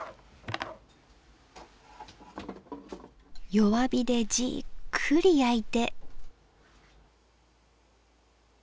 弱火でじっくり焼いて。